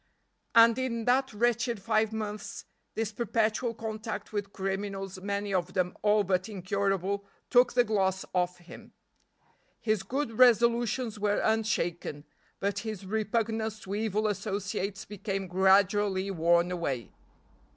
And in that wretched five months this perpetual contact with criminals, many of them all but incurable, took the gloss off him. His good resolutions were unshaken, but his repugnance to evil associates became gradually worn away.